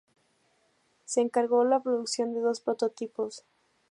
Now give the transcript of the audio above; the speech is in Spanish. Se encargó la producción de dos prototipos.